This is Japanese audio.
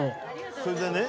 それでね